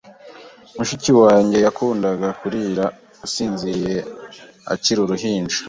Mushiki wanjye yakundaga kurira asinziriye akiri uruhinja.